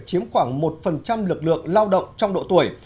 chiếm khoảng một lực lượng lao động trong độ tuổi